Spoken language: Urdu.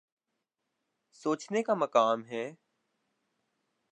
سوچنے کا مقام ہے۔